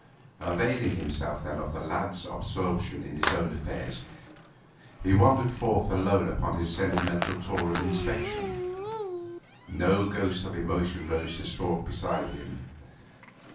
Availing himself then of the lad's absorption in his own affairs, he wandered forth alone upon his sentimental tour of inspection. No ghost of emotion rose to stalk beside him.